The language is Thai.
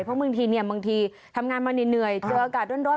เพราะบางทีทำงานมาเหนื่อยเจออากาศโดน